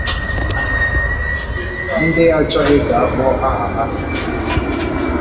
ndị achọghị ka a kpọọ aha ha